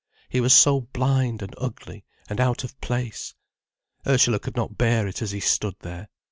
He was so blind and ugly and out of place. Ursula could not bear it as he stood there.